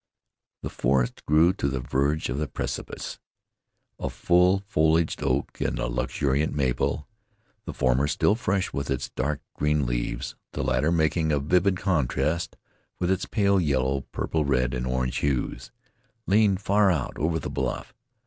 The forest grew to the verge of the precipice. A full foliaged oak and a luxuriant maple, the former still fresh with its dark green leaves, the latter making a vivid contrast with its pale yellow, purple red, and orange hues, leaned far out over the bluff.